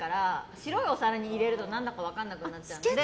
白いお皿に入れると何だか分からなくなっちゃうので。